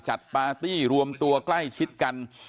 จัดปาร์ตี้รวมตัวกล้ายชิดกัน